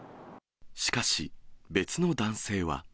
しかし、別の男性は。